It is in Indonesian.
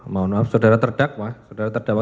maaf saudara terdakwa